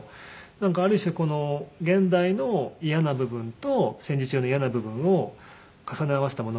なんかある種この現代の嫌な部分と戦時中の嫌な部分を重ね合わせた物語ではありますね。